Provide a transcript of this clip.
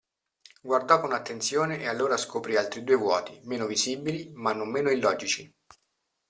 Guardò con attenzione e allora scoprì altri due vuoti, meno visibili, ma non meno illogici.